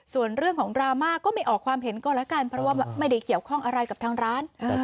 ส่วนเรื่องของดราม่าก็ไม่ออกความเห็นก็แล้วกันเพราะว่าไม่ได้เกี่ยวข้องอะไรกับทางร้าน